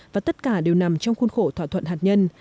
và tất cả đều nằm trong khuôn khổ thỏa thuận hạt nhân